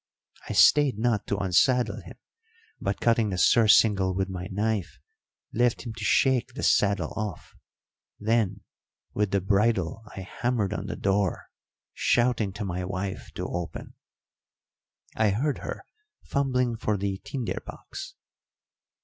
I stayed not to unsaddle him, but, cutting the surcingle with my knife, left him to shake the saddle off; then with the bridle I hammered on the door, shouting to my wife to open. I heard her fumbling for the tinder box.